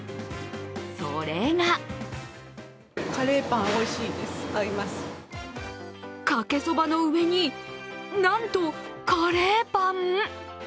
それがかけそばの上に、なんとカレーパン。